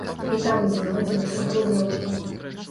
І там знойдзены трохрублёўкі.